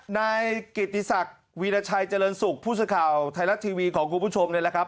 ในกิติศักดิ์วีรชัยเจริญศุกร์พูดสุดข่าวไทยรัตน์ทีวีของคุณผู้ชมนี่แหละครับ